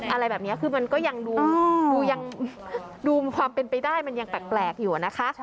อะไรแบบนี้คือมันก็ยังดูยังดูความเป็นไปได้มันยังแปลกอยู่นะคะ